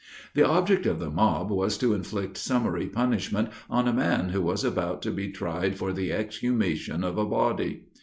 The object of the mob was to inflict summary punishment on a man who was about to be tried for the exhumation of a body.